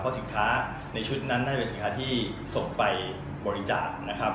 สินค้าในชุดนั้นน่าจะเป็นสินค้าที่ส่งไปบริจาคนะครับ